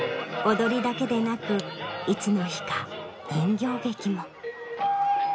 踊りだけでなくいつの日か人形劇も。